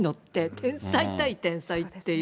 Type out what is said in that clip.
天才対天才っていう。